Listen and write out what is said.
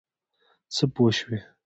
څه پوه شوې.